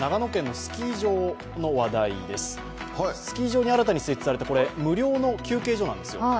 スキー場に新たに設置された無料の休憩所なんですよ。